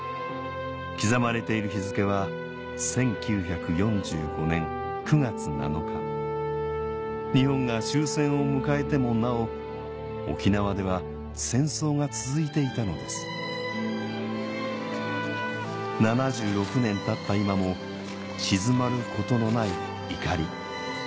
刻まれている日付は１９４５年９月７日日本が終戦を迎えてもなお沖縄では戦争が続いていたのです７６年たった今も鎮まることのない怒り